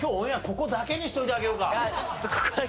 ここだけにしといてあげようか？